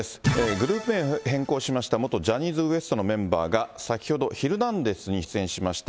グループ名を変更しました、元ジャニーズＷＥＳＴのメンバーが、先ほどヒルナンデス！に出演しました。